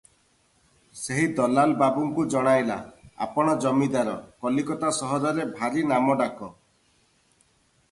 ସେହି ଦଲାଲ ବାବୁଙ୍କୁ ଜଣାଇଲା, "ଆପଣ ଜମିଦାର, କଲିକତା ସହରରେ ଭାରି ନାମ ଡାକ ।